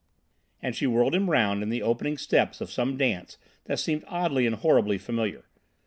And she whirled him round in the opening steps of some dance that seemed oddly and horribly familiar.